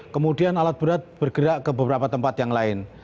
kemudian alat berat bergerak ke beberapa tempat yang lain